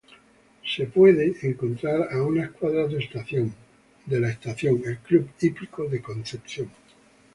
Se puede encontrar a unas cuadras de la Estación, el Club Hípico de Concepción.